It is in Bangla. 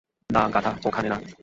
না, গাধা, ওখানে না!